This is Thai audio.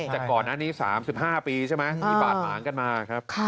แต่ก่อนอันนี้๓๕ปีใช่ไหมมีบาดหมางกันมาครับ